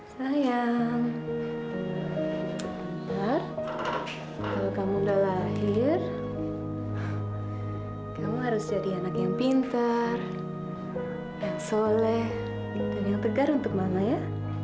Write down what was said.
sayang pintar kalau kamu udah lahir kamu harus jadi anak yang pintar yang soleh dan yang tegar untuk mama ya